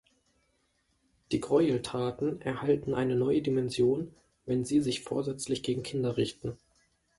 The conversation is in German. Die Gräueltaten erhalten eine neue Dimension, wenn sie sich vorsätzlich gegen Kinder richten.